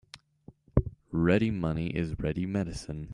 Ready money is ready medicine.